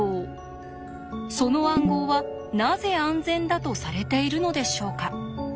その暗号はなぜ安全だとされているのでしょうか？